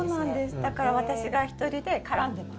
だから私が１人で絡んでます。